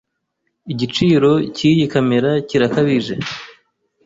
Igiciro cyiyi kamera kirakabije.